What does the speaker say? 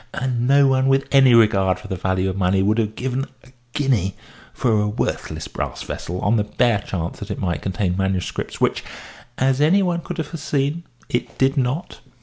And no one with any regard for the value of money would have given a guinea for a worthless brass vessel on the bare chance that it might contain manuscripts, which (as any one could have foreseen) it did not."